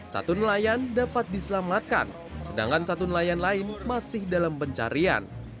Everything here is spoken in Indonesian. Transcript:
satu nelayan dapat diselamatkan sedangkan satu nelayan lain masih dalam pencarian